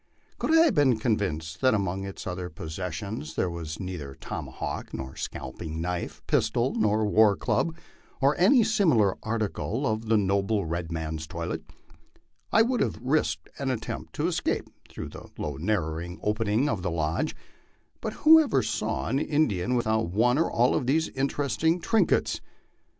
Could I have been convinced that among its other possessions there was neither tomahawk nor scalping knife, pistol nor war club, or any simi lar article of the noble red man's toilet, I would have risked an attempt to es cape through the low narrow opening of the lodge ; but who ever saw an In dian without one or all of these interesting trinkets?